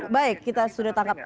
baik kita sudah tangkap